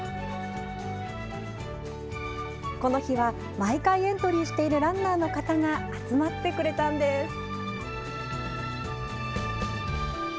この日は毎回エントリーしているランナーの方が集まってくれたんです。